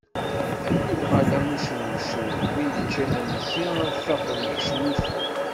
Yuɣal am ucewcew mi yečča imensi a t-tafeḍ yekcem usu.